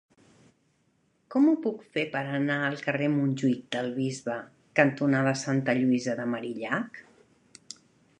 Com ho puc fer per anar al carrer Montjuïc del Bisbe cantonada Santa Lluïsa de Marillac?